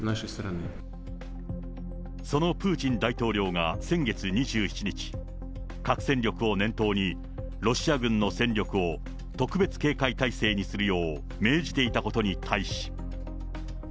そのプーチン大統領が先月２７日、核戦力を念頭に、ロシア軍の戦力を特別警戒態勢にするよう命じていたことに対し。